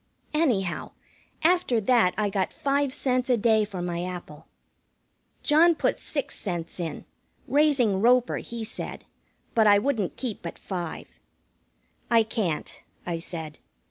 Anyhow, after that I got five cents a day for my apple. John put six cents in, raising Roper, he said, but I wouldn't keep but five. "I can't," I said.